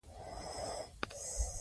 شاهانو د ملالۍ په اړه هېڅ نه دي کړي.